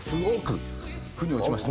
腑に落ちました？